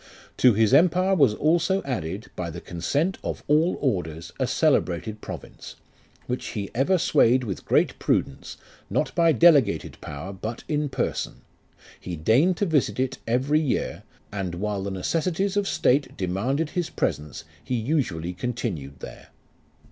To his empire also was added, By the consent of all orders, A celebrated province ' Which he ever swayed with great prudence, Not by delegated power, but in person. He deigned to visit it every year, And while the necessities of state demanded his presence, He usually continued there.